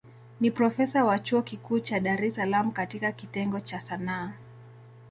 Ni profesa wa chuo kikuu cha Dar es Salaam katika kitengo cha Sanaa.